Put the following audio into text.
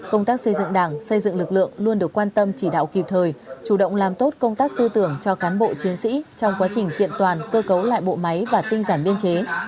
công tác xây dựng đảng xây dựng lực lượng luôn được quan tâm chỉ đạo kịp thời chủ động làm tốt công tác tư tưởng cho cán bộ chiến sĩ trong quá trình kiện toàn cơ cấu lại bộ máy và tinh giản biên chế